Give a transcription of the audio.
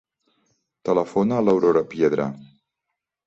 Telefona a l'Aurora Piedra.